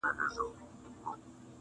• یا وینه ژاړي یا مینه -